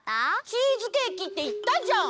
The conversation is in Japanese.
チーズケーキっていったじゃん！